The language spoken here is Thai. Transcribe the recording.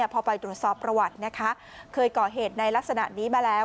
พอไปตรวจสอบประวัตินะคะเคยก่อเหตุในลักษณะนี้มาแล้ว